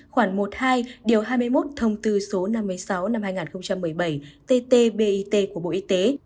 khoản một hai điều hai mươi một thông tư số năm mươi sáu năm hai nghìn một mươi bảy ttbit của bộ y tế